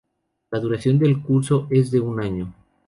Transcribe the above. La duración del curso es de un año.